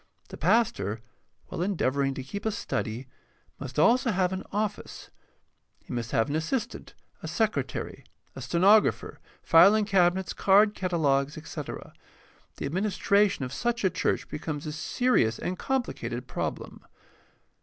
The pastor, while endeavoring to keep a study, must have also an office. He must have an assistant, a secretary, a stenographer, filing cabinets, card catalogues, etc. The administration of such a church becomes a serious and complicated problem.